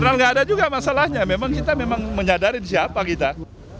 ya nggak ada juga masalahnya memang kita memang menyadari siapa kita